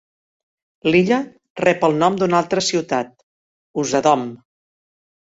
L'illa rep el nom d"una altra ciutat, Usedom.